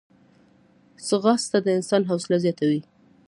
ځغاسته د انسان حوصله زیاتوي